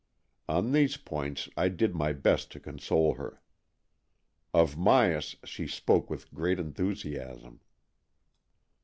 On these points I did my best to console her. Of Myas she spoke with great enthusiasm.